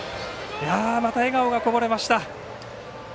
また笑顔がこぼれました。